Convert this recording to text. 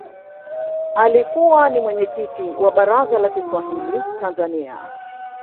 alikuwa ni mwenyekiti wa baraza la Kiswahili tanzania